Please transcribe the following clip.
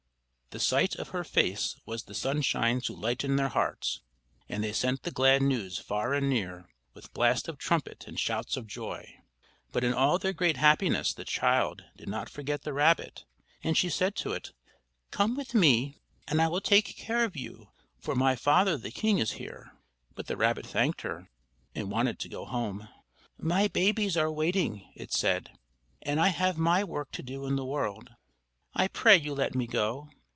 The sight of her face was the sunshine to lighten their hearts, and they sent the glad news far and near, with blast of trumpet and shouts of joy. But in all their great happiness the child did not forget the rabbit, and she said to it, "Come with me and I will take care of you, for my father the king is here." But the rabbit thanked her and wanted to go home. "My babies are waiting," it said, "and I have my work to do in the world. I pray you let me go."